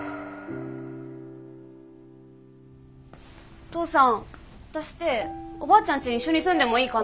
お父さん私っておばあちゃんちに一緒に住んでもいいかな。